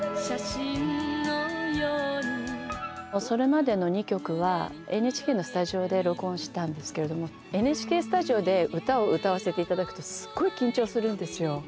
それまでの２曲はＮＨＫのスタジオで録音したんですけれどもＮＨＫスタジオで歌を歌わせて頂くとすごい緊張するんですよ。